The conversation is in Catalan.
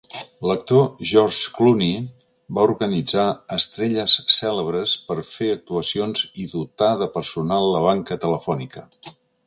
L'actor George Clooney va organitzar a estrelles cèlebres per fer actuacions i dotar de personal la banca telefònica.